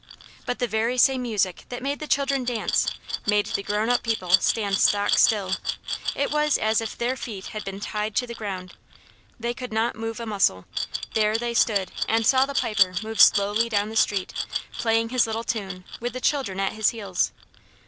But the very same music that made the children dance made the grown up people stand stock still; it was as if their feet had been tied to the ground; they could not move a muscle. There they stood and saw the Piper move slowly down the street, playing his little tune, with the children at his heels.